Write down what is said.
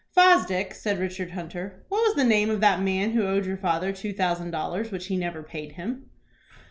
"Fosdick," said Richard Hunter, "what was the name of that man who owed your father two thousand dollars, which he never paid him?"